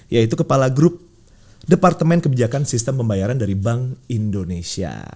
yaitu kepala grup departemen kebijakan sistem pembayaran dari bank indonesia